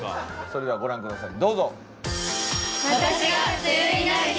それではご覧ください